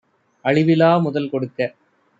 அழிவிலாமு தல்கொடுக்க